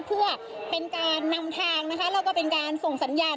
เพื่อเป็นการนำทางนะคะแล้วก็เป็นการส่งสัญญาณ